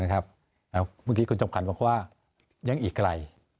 เมื่อกี้คุณจำขวัญบอกว่ายังอีกไกล